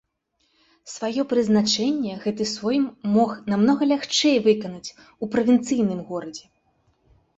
Сваё прызначэнне гэты сойм мог намнога лягчэй выканаць у правінцыйным горадзе.